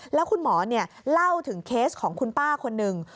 แล้วคุณหมอเล่าถึงเคสของคุณป้าคนหนึ่ง